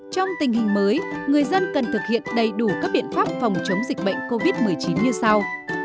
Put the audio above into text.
trong tình hình mới người dân cần thực hiện đầy đủ các biện pháp phòng chống dịch bệnh covid một mươi chín như sau